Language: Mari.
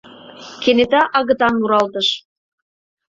Кенета агытан муралтыш.